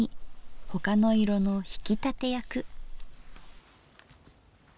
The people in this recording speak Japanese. ほかの色の引き立て役。